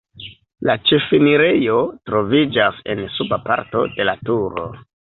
La ĉefenirejo troviĝas en suba parto de la turo.